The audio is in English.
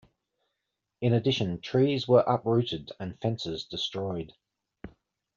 In addition, trees were uprooted, and fences destroyed.